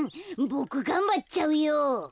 ボクがんばっちゃうよ。